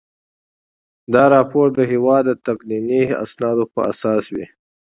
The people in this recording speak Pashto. دا راپور د هیواد د تقنیني اسنادو په اساس وي.